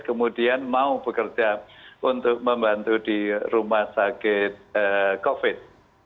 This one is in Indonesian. kemudian mau bekerja untuk membantu di rumah sakit covid